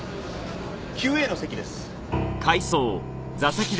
９Ａの席です。